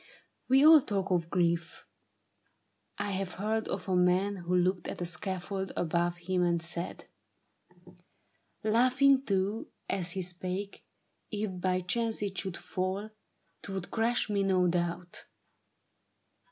We all talk of grief. I have heard of a man Who looked at a scaffold above him and said — Laughing too as he spake —' If by chance it should fall, 'Twould crush me, no doubt.'